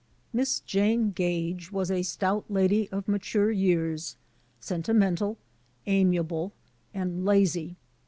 Miss Jane Gage was a stout lady of mature years, sentimental, amiable, and lazy.